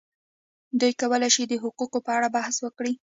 دوی کولای شي د حقوقو په اړه بحث وکړي.